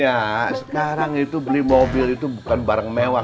ya sekarang itu beli mobil itu bukan barang mewah